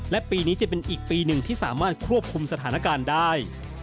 และปีนี้จะเป็นอีกปีหนึ่งที่สามารถควบคุมสถานการณ์ได้